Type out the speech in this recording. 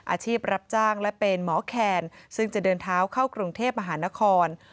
อาชีพรับจ้างและเป็นหมอแคนซึ่งจะเดินเท้าเข้ากรุงเทพมหานคร